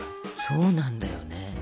そうなんだよね。